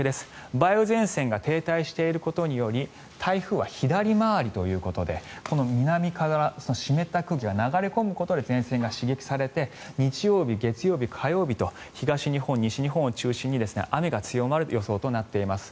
梅雨前線が停滞していることにより台風は左回りということでこの南から湿った空気が流れ込むことで前線が刺激されて日曜日、月曜日、火曜日と東日本、西日本を中心に雨が強まる予想となっています。